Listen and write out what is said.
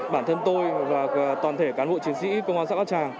bản thân tôi và toàn thể cán bộ chiến sĩ công an sát bác tràng